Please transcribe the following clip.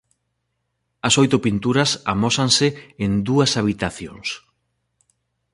As oito pinturas amósanse en dúas habitacións.